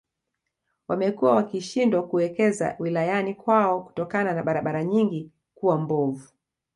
Wamekuwa wakishindwa kuwekeza wilayani kwao kutokana na barabara nyingi kuwa mbovu